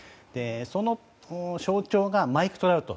その象徴がマイク・トラウト。